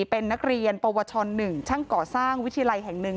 เป็นนักเรียนปวช๑ช่างก่อสร้างวิทยาลัยแห่งหนึ่ง